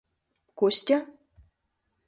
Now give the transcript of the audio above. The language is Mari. — Костя?!